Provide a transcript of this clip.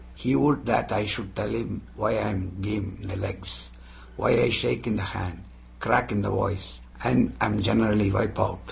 He would that I should tell him why I am game in the legs, why I shake in the hand, crack in the voice, and am generally wipe out!